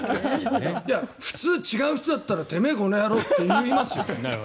普通違う人だったらてめえ、この野郎って言いますよ。